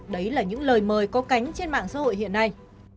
đấy là những lời mời có cánh trên mạng xã hội hiện nay